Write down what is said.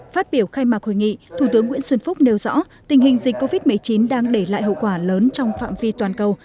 phát biểu khai mạc hội nghị thủ tướng nguyễn xuân phúc nêu rõ tình hình dịch covid một mươi chín đang để lại hậu quả lớn trong phạm vi toàn cầu